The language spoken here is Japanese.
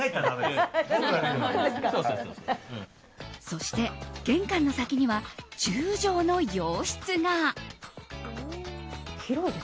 そして、玄関の先には１０畳の洋室が。